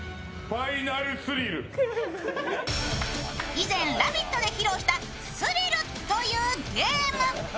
以前、「ラヴィット！」で披露した「スリル」というゲーム。